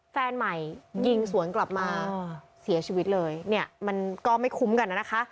แฟนใหม่ยิงสวนกลับมาเสียชีวิตเลยเนี่ยมันก็ไม่คุ้มกันนะคะ